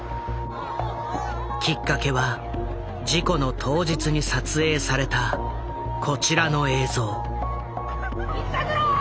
きっかけは事故の当日に撮影されたこちらの映像。